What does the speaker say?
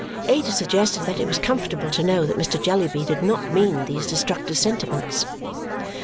Ada suggested that it was comfortable to know that Mr. Jellyby did not mean these destructive sentiments.